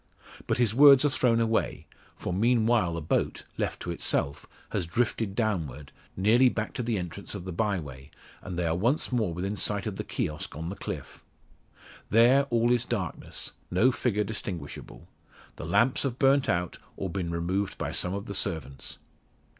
But his words are thrown away; for, meanwhile, the boat, left to itself, has drifted downward, nearly back to the entrance of the bye way, and they are once more within sight of the kiosk on the cliff. There all is darkness; no figure distinguishable. The lamps have burnt out, or been removed by some of the servants.